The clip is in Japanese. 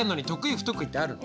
不得意ってあるの？